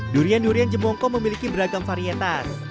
durian durian jemongko memiliki beragam varietas